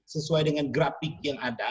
sesuai dengan grafik yang ada